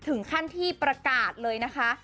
ถึงขั้นที่ประกาศเลยนะคะ